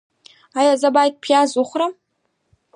ایا زه باید پیاز وخورم؟